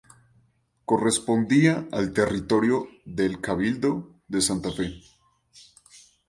Correspondía al territorio del Cabildo de Santa Fe.